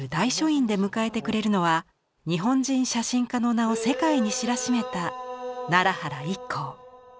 院で迎えてくれるのは日本人写真家の名を世界に知らしめた奈良原一高。